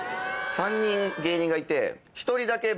３人芸人がいて。